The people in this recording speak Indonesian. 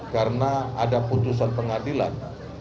karena ada putusan pengadilan